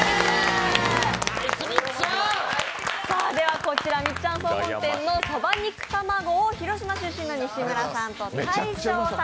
こちらみっちゃん総本店のそば肉玉子を広島出身の西村さんと大昇さん